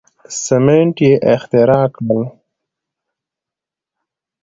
سیمنټ یې اختراع کړل.